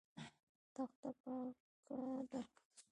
تخته پاکه ده.